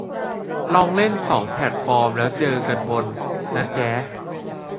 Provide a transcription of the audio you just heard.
ลองเล่นสองแพลตฟอร์มแล้วเจอกันบน นะแจ้